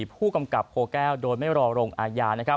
ผู้กำกับโพแก้วโดยไม่รอลงอาญา